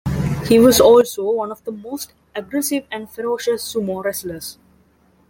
He was also one of the most aggressive and ferocious sumo wrestlers.